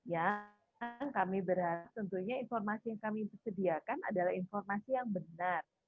yang kami berharap tentunya informasi yang kami sediakan adalah informasi yang benar